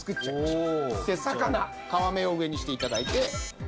魚皮目を上にして頂いて。